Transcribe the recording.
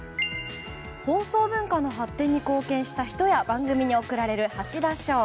放送文化の発展に貢献した人や番組に贈られる橋田賞。